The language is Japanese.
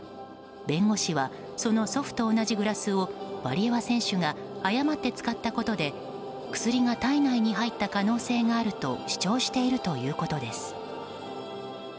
弁護士はその祖父と同じグラスをワリエワ選手が誤って使ったことで薬が体内に入った可能性があると主張しているということです。